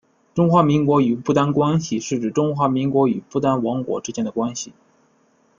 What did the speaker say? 中华民国与不丹关系是指中华民国与不丹王国之间的关系。